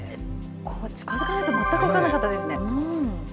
近づかないと全く分からなかったですね。